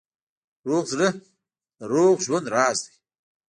روغ زړه د روغ ژوند راز دی.